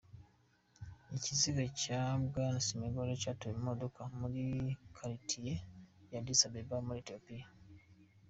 Ikiziga ca Bwana Simegnew catowe mu modoka muri karitiye ya Addis Ababa muri Ethiopia.